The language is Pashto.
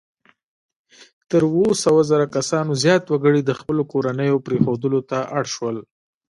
تر اووه سوه زره کسانو زیات وګړي د خپلو کورنیو پرېښودلو ته اړ شول.